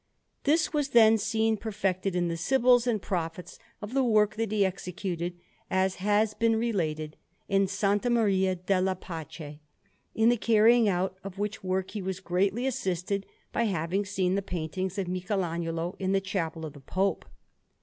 This was then seen perfected in the Sibyls and Prophets of the work that he executed, as has been related, in S. Maria della Pace; in the carrying out of which work he was greatly assisted by having seen the paintings of Michelagnolo in the Chapel of the Pope.